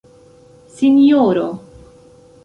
sinjoro